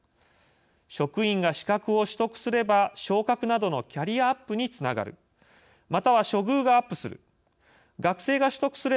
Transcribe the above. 職員が資格を取得すれば昇格などのキャリアアップにつながるまたは処遇がアップする。